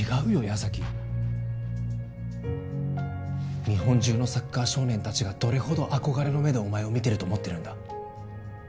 矢崎日本中のサッカー少年達がどれほど憧れの目でお前を見てると思ってるんだ